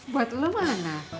buat ulu mana